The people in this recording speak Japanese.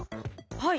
はい。